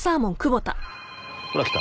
ほらきた。